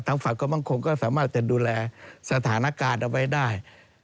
ทางฝั่งกำลังคงก็สามารถจะดูแลสถานการณ์เอาไว้ได้